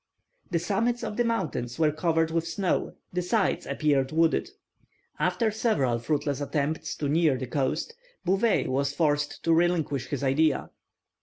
The summits of the mountains were covered with snow; the sides appeared wooded." After several fruitless attempts to near the coast, Bouvet was forced to relinquish the idea.